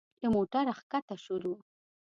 له موټره ښکته شولو.